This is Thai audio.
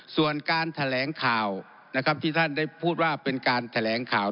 ส่วนการแถลงข่าวนะครับที่ท่านได้พูดว่าเป็นการแถลงข่าว